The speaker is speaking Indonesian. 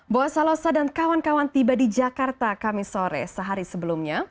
boa salosa dan kawan kawan tiba di jakarta kami sore sehari sebelumnya